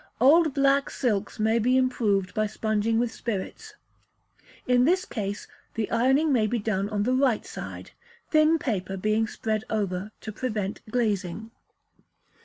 Old black silks may be improved by sponging with spirits; in this case, the ironing may be done on the right side, thin paper being spread over to prevent glazing.